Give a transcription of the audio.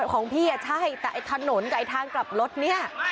ของพี่ใช่แต่ไอ้ถนนกับไอ้ทางกลับรถเนี่ย